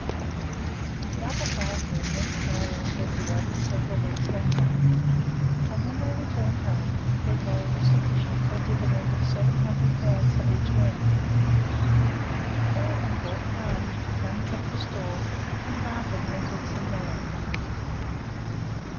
The other five then stayed on Bendigo for several weeks longer, and when they returned home their gold was sufficient for a dividend of 700 pounds for each man. Four of them bought farms, one kept a store, and Barton rented some land.